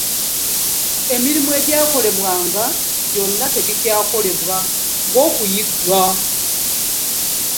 amirimu egyakolebwanga gyonna tegikyakolebwa nga okuyigga